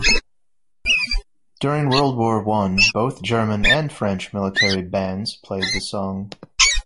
During World War One, both German and French military bands played the song.